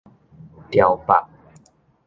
牢腹